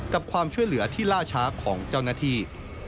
กับความช่วยเหลือที่ล่าช้าของเจ้าหน้าที่